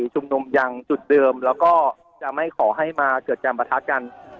ชุมนุมอย่างจุดเดิมแล้วก็จะไม่ขอให้มาเกิดการประทะกัน